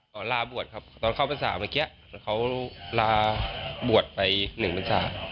ก็หล่าบวชครับตอนเข้าภาษาเมื่อกี้เขาราบวชไป๑ภาษา